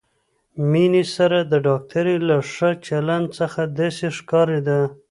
مينې سره د ډاکټرې له ښه چلند څخه داسې ښکارېده.